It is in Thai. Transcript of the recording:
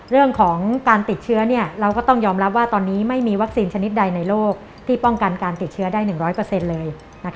เราก็ต้องยอมรับว่าตอนนี้ไม่มีวัคซีนชนิดใดในโลกที่ป้องกันการติดเชื้อได้๑๐๐เลย